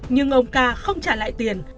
nhưng ông ca không trả lại tiền